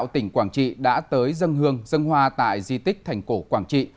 tỉnh quảng trị đã tới dân hương dân hoa tại di tích thành cổ quảng trị